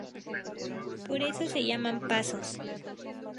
Por eso se llaman "pasos".